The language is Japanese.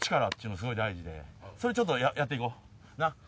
それちょっとやって行こう。